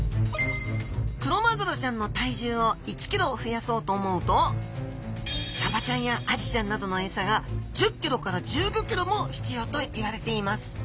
クロマグロちゃんの体重を１ｋｇ増やそうと思うとサバちゃんやアジちゃんなどのエサが１０ｋｇから１５ｋｇも必要といわれています。